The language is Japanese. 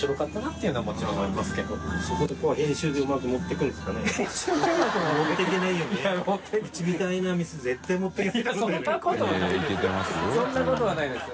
いそんなことはないですよ！